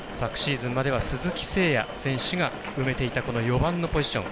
昨年は鈴木誠也選手が埋めていた４番のポジション。